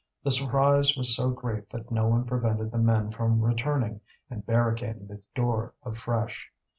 The surprise was so great that no one prevented the men from returning and barricading the door afresh.